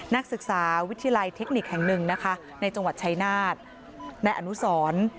นักศึกษาวิทยาลัยเทคนิคแห่งหนึ่งนะคะในจังหวัดชายนาฏในอนุสร